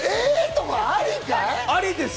「え？」とかありかい？